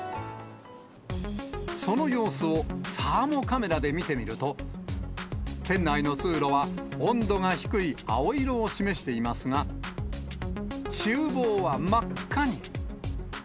その様子をサーモカメラで見てみると、店内の通路は、温度が低い青色を示していますが、ちゅう房は真っ赤に。